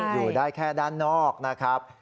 อยู่ได้แค่ด้านนอกนะครับ